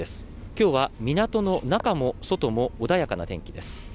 今日は、港の中も外も穏やかな天気です。